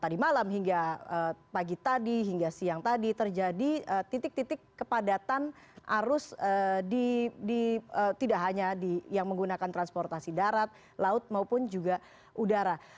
tadi malam hingga pagi tadi hingga siang tadi terjadi titik titik kepadatan arus tidak hanya yang menggunakan transportasi darat laut maupun juga udara